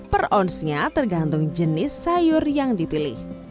per oz nya tergantung jenis sayur yang dipilih